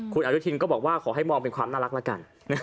คุณอนุทินก็บอกว่าขอให้มองเป็นความน่ารักละกัน